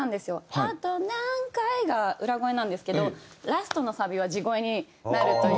「あと何回」が裏声なんですけどラストのサビは地声になるという。